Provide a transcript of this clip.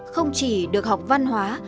không chỉ được học văn hóa